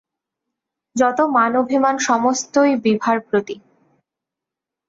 যত মান অভিমান সমস্তই বিভার প্রতি।